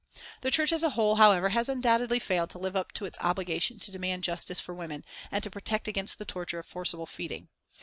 The Church as a whole, however, has undoubtedly failed to live up to its obligation to demand justice for women, and to protest against the torture of forcible feeding.